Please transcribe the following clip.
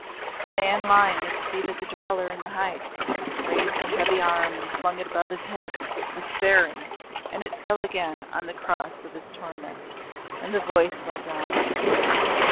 (The man lying at the feet of the Dweller in the Heights, raised a heavy arm and flung it above his head, despairing, and it fell again on the cross of his torment. And the voice went on.)